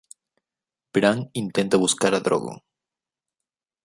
Bran intenta buscar a Drogon.